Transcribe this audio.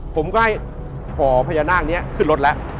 ผมกาลขอพญานาคขึ้นรถแล้ว